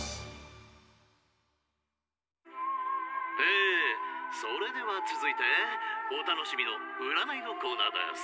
「えそれではつづいておたのしみのうらないのコーナーです。